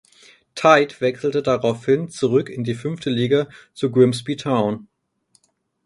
Tait wechselte daraufhin zurück in die fünfte Liga zu Grimsby Town.